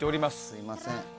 すみません。